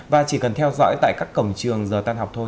và chỉ cần theo dõi tại các cổng trường giờ tan học thôi